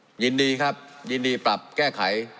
ยินดีครับยินดีปรับแก้ไข